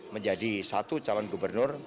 menjadi satu calon gubernur